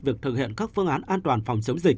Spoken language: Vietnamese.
việc thực hiện các phương án an toàn phòng chống dịch